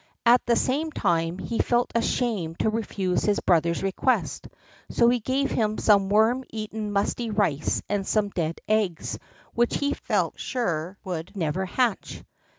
At the same time, he felt ashamed to refuse his brother's request, so he gave him some worm eaten musty rice and some dead eggs, which he felt sure would never hatch.